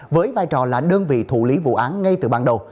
với vai trò là đơn vị thủ lý vụ án ngay từ ban đầu